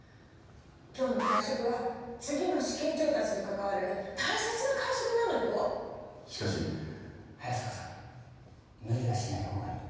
今日の会食は次の資金調達に関わる大切な会食なのよしかし早坂さん無理はしないほうがいい